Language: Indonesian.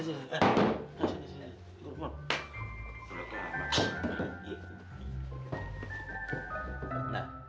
masih disini kurban